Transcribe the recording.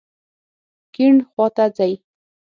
کیڼ خواته ځئ